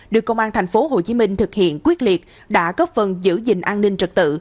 được công an thành phố hồ chí minh thực hiện quyết liệt đã góp phần giữ gìn an ninh trật tự